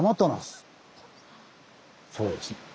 そうですね。